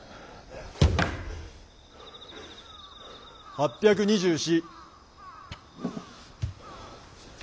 ８２４。